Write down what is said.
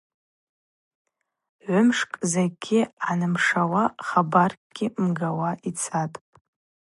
Гӏвымшкӏ закӏгьи гӏанымшауа, хабаркӏгьи мгауата йцатӏ.